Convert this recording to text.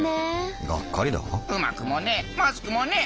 うまくもねえまずくもねえ。